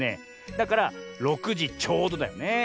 だから６じちょうどだよね。